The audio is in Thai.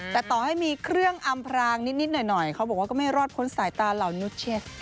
แต่ต่อให้มีเครื่องอำพรางนิดหน่อยเขาบอกว่าก็ไม่รอดพ้นสายตาเหล่านุชเชส